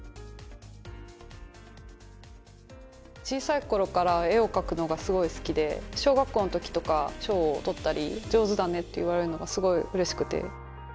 小さい頃から絵を描くのがすごい好きで小学校の時とか賞を取ったり上手だねって言われるのがすごい嬉しくて。